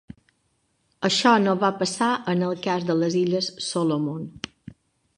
Això no va passar en el cas de les Illes Solomon.